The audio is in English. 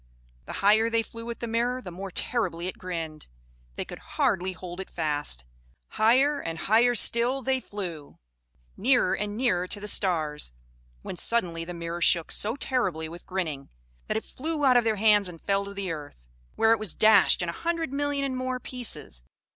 The higher they flew with the mirror, the more terribly it grinned: they could hardly hold it fast. Higher and higher still they flew, nearer and nearer to the stars, when suddenly the mirror shook so terribly with grinning, that it flew out of their hands and fell to the earth, where it was dashed in a hundred million and more pieces.